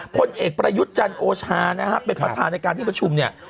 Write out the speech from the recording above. พลเอกประยุทธ์จันทร์โอชานะฮะเป็นประธานในการที่ประชุมเนี่ย